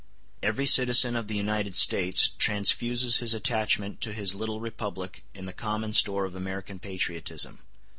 Every citizen of the United States transfuses his attachment to his little republic in the common store of American patriotism.